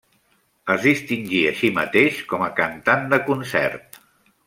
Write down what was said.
Es distingí així mateix com a cantant de concert.